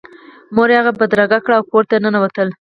مور یې هغه بدرګه کړ او کور ته ننوتل